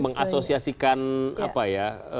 mengasosiasikan apa ya